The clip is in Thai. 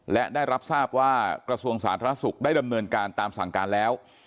และได้รับทราบว่ากระทรวงสาธารณสุขได้ดำเนินการตามสั่งการแล้ว